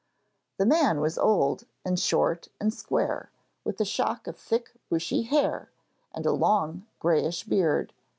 The man was old and short and square, with a shock of thick bushy hair, and a long greyish beard.